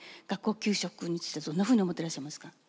学校給食についてどんなふうに思ってらっしゃいますか？